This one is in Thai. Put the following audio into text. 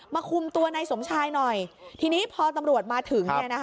คุมตัวนายสมชายหน่อยทีนี้พอตำรวจมาถึง